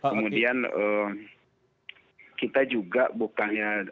kemudian kita juga bukannya